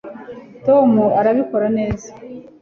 tom arabikora neza